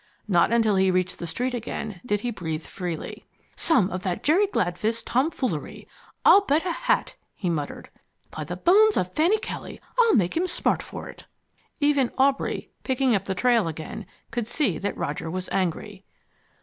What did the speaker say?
Not until he reached the street again did he breathe freely. "Some of Jerry Gladfist's tomfoolery, I'll bet a hat," he muttered. "By the bones of Fanny Kelly, I'll make him smart for it." Even Aubrey, picking up the trail again, could see that Roger was angry.